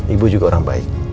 ibu juga orang baik